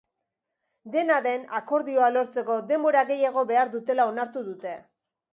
Dena den, akordioa lortzeko denbora gehiago behar dutela onartu dute.